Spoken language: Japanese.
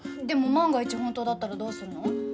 でも万が一本当だったらどうするの？